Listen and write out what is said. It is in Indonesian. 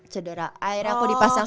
cedera air aku dipasang